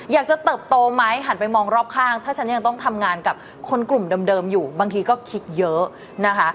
เติบโตไหมหันไปมองรอบข้างถ้าฉันยังต้องทำงานกับคนกลุ่มเดิมอยู่บางทีก็คิดเยอะนะคะ